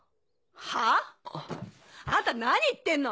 はぁ⁉あんた何言ってんの？